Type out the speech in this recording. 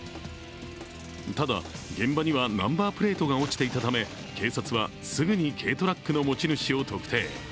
ただ、現場にはナンバープレートが落ちていたため警察はすぐに軽トラックの持ち主を特定。